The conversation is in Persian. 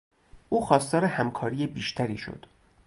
او خواستار همکاری بیشتری شد.